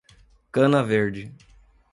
Cana Verde